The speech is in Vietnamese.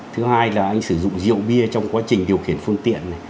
thứ hai là anh sử dụng rượu bia trong quá trình điều khiển phương tiện này